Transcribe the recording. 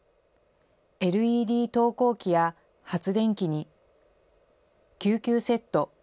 ＬＥＤ投光器や発電機に、救急セット。